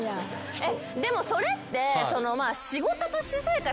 でもそれって。